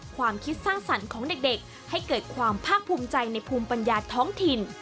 ความคิดสร้างสรรค์ของเด็กให้เกิดความภาคภูมิใจในภูมิปัญญาท้องถิ่น